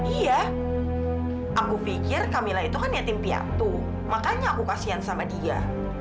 iya aku pikir camilla itu kan yatim piatu makanya aku kasihan sama dia